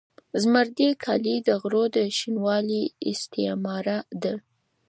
زمردي کالي د غرو د شینوالي استعاره ده.